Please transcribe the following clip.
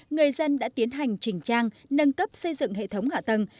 người dân đã tiến hành chỉnh trang nâng cấp xây dựng hệ thống hạ tầng